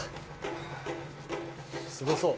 すごそう！